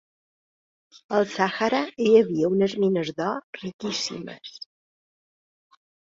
Al Sàhara hi havia unes mines d'or riquíssimes.